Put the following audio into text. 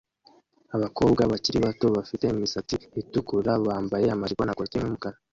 Abakobwa bakiri bato bafite imisatsi itukura bambaye amajipo na kositimu yumukara